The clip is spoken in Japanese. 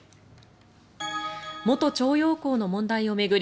元徴用工の問題を巡り